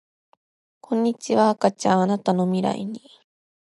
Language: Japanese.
こんにちは赤ちゃんあなたの未来に